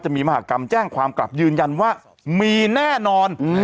มหากรรมแจ้งความกลับยืนยันว่ามีแน่นอน